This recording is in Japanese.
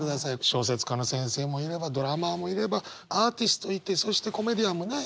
小説家の先生もいればドラマーもいればアーティストいてそしてコメディアンもね。